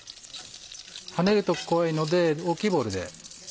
跳ねると怖いので大きいボウルで。